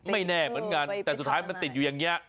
ไม่แน่เหมือนกันแต่สุดท้ายมันติดอยู่อย่างนี้